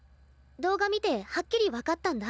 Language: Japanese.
動画見てはっきり分かったんだ。